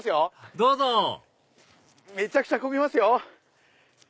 どうぞめちゃくちゃこぎますよ！